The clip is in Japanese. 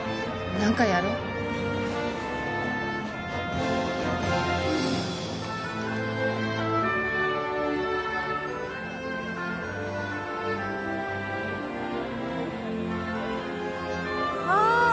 何かやろうああ！